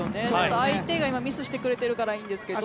相手が今ミスしてくれてるからいいんですけど。